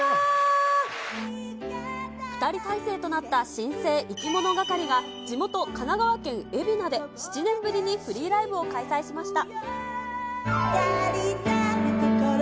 ２人体制となった新生いきものがかりが、地元、神奈川県海老名で７年ぶりにフリーライブを開催しました。